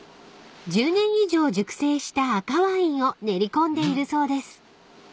［１０年以上熟成した赤ワインを練り込んでいるそうです］